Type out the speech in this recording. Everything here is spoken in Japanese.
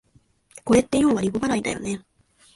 これってようはリボ払いだよね